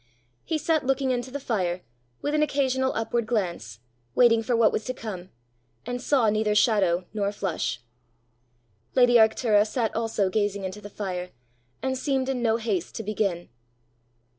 He sat looking into the fire, with an occasional upward glance, waiting for what was to come, and saw neither shadow nor flush. Lady Arctura sat also gazing into the fire, and seemed in no haste to begin.